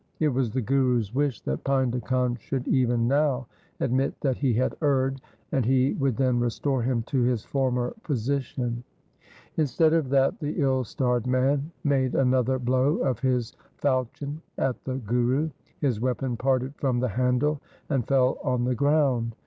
It was the Guru's wish that Painda Khan should even now admit that he had erred, and he would then restore him to his former position. LIFE OF GURU HAR GOBIND 209 Instead of that the ill starred man made another blow of his falchion at the Guru. His weapon parted from the handle and fell on the ground.